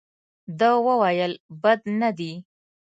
ده وویل بد نه دي.